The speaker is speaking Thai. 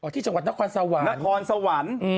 ที่จังหวัดนครสวรรค์นครสวรรค์